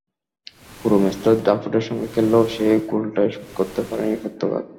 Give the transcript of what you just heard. পুরো ম্যাচটা দাপটের সঙ্গে খেললেও সেই গোলটাই শোধ করতে পারেনি পর্তুগাল।